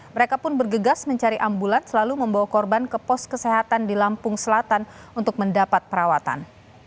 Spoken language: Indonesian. mereka pun bergegas mencari ambulans selalu membawa korban ke pos kesehatan di lampung selatan untuk mendapat perawatan